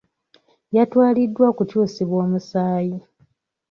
Yatwaliddwa okukyusibwa omusaayi.